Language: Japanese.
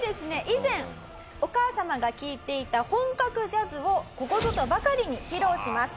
以前お母様が聴いていた本格ジャズをここぞとばかりに披露します。